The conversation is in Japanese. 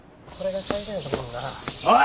おい！